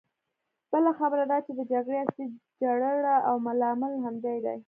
بله خبره دا چې د جګړې اصلي جرړه او لامل همدی دی.